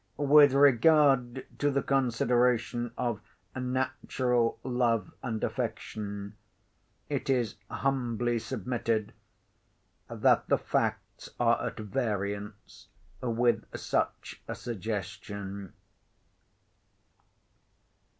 With regard to the consideration of natural love and affection, it is humbly submitted that the facts are at variance with such a suggestion.